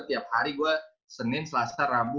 tiap hari gue senin selasa rabu